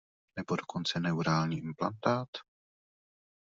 Nebo dokonce neurální implantát?